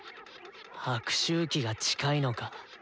悪周期が近いのか。